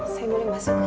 saya mulai masuk